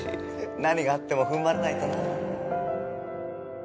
何があっても踏ん張らないとな